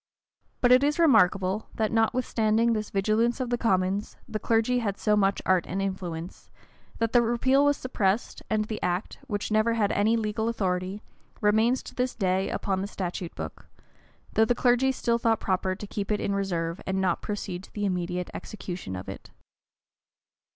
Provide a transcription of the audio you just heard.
* But it is remarkable, that notwithstanding this vigilance of the commons, the clergy had so much art and influence, that the repeal was suppressed, and the act, which never had any legal authority, remains to this day upon the statute book;[*] though the clergy still thought proper to keep it in reserve and not proceed to the immediate execution of it.